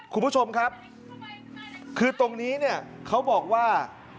คุณผู้ชมครับคือตรงนี้เนี่ยเขาบอกว่า